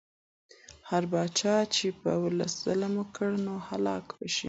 هر پاچا چې پر ولس ظلم وکړي نو هلاک به شي.